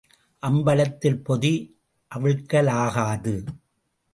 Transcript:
அம்பலத்தில் பொதி அவிழ்க்கலாகாது.